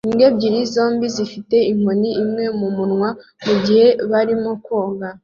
Imbwa ebyiri zombi zifite inkoni imwe mumunwa mugihe barimo koga